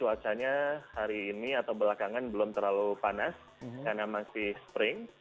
cuacanya hari ini atau belakangan belum terlalu panas karena masih spring